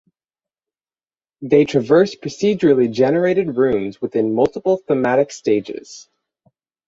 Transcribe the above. They traverse procedurally generated rooms within multiple thematic stages.